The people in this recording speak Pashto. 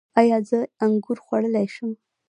ایا زه انګور خوړلی شم؟